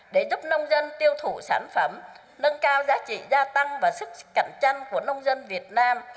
để giúp nông dân tiêu thụ sản phẩm nâng cao giá trị gia tăng và sức cạnh tranh của nông dân việt nam